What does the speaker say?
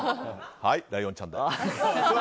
ライオンちゃんだ。